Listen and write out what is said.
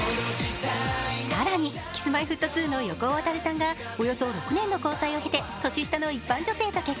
更に、Ｋｉｓ−Ｍｙ−Ｆｔ２の横尾渉さんが、およそ６年の交際を経て年下の一般女性と結婚。